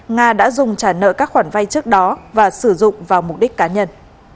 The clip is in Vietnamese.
nga đã dùng trả nợ các khoản vay trước đó và sử dụng vào mục đích cá nhân